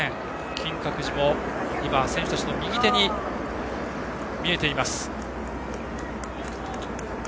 金閣寺も選手たちの右手に見えています。